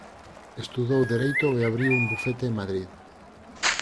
Estudou Dereito e abriu un bufete en Madrid.